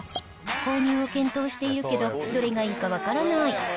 購入を検討しているけど、どれがいいか分からない。